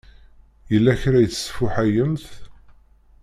Yella kra i tesfuḥayemt?